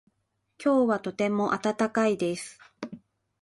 今日はとても暖かいです。